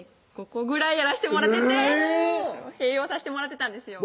５個ぐらいやらしてもらってて併用さしてもらってたんですよ